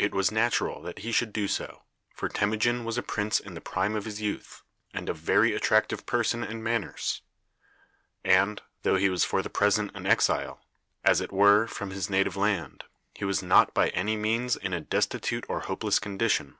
It was natural that he should do so, for Temujin was a prince in the prime of his youth, and of very attractive person and manners; and, though he was for the present an exile, as it were, from his native land, he was not by any means in a destitute or hopeless condition.